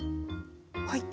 はい。